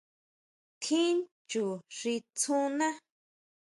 Tjín chu xi tsúna.